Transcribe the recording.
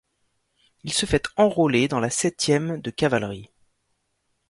Il se fait enrôler dans la septième de cavalerie...